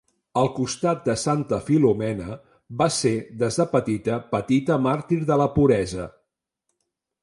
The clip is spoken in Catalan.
Al costat de Santa Filomena va ser, des de petita, petita màrtir de la puresa.